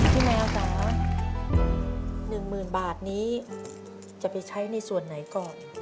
พี่แมวจ๋าหนึ่งหมื่นบาทนี้จะไปใช้ในส่วนไหนก่อน